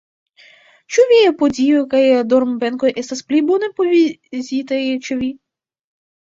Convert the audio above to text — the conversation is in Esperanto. Ĉu viaj podioj kaj dormbenkoj estas pli bone provizitaj ĉe vi?